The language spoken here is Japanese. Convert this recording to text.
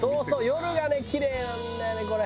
夜がねキレイなんだよねこれ。